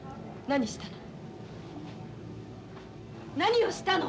何をしたの！